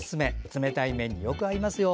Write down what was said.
冷たい麺によく合いますよ。